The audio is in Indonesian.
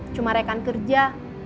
cuma rekan kerja